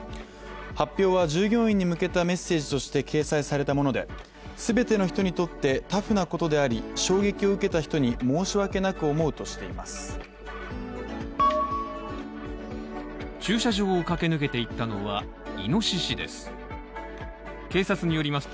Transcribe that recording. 発表は従業員に向けたメッセージとして掲載されたもので全ての人にとってタフなことであり衝撃を受けた人に申し訳なく思うとしています。